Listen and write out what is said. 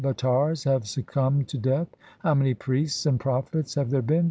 how many Ansavatars 3 have succumbed to death ! How many priests and prophets have there been